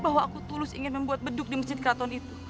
bahwa aku tulus ingin membuat beduk di masjid keraton itu